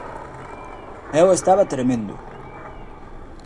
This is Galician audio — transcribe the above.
Eu estaba tremendo.